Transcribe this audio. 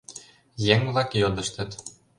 Еҥ-влак йодыштыт.